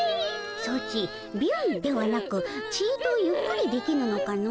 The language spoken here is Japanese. ソチビュンではなくちとゆっくりできぬのかの？